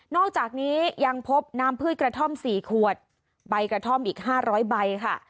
อกจากนี้ยังพบน้ำพืชกระท่อม๔ขวดใบกระท่อมอีก๕๐๐ใบค่ะ